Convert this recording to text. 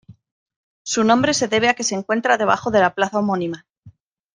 Su nombre se debe a que se encuentra debajo de la plaza homónima.